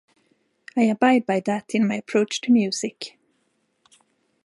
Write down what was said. I abide by that in my approach to music.